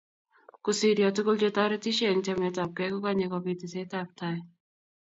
kusiryo tugul che toretisyei eng chametapgei ko Kanye kobit tesetab taai